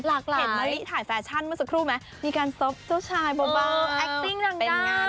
เห็นมะลิถ่ายแฟชั่นเมื่อสักครู่ไหมมีการซบเจ้าชายเบาแอคติ้งนางด้าน